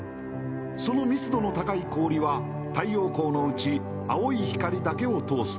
その密度の高い氷は太陽光のうち青い光だけを通す